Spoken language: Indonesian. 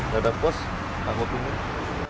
gak ada pos aku pilih